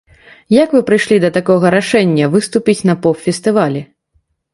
Як вы прыйшлі да такога рашэння, выступіць на поп-фестывалі?